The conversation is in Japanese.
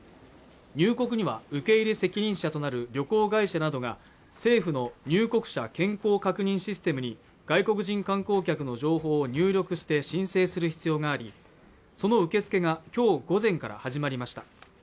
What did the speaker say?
入国には受け入れ責任者となる旅行会社などが政府の入国者健康確認システムに外国人観光客の情報を入力して申請する必要がありその受け付けがきょう午前から始まりました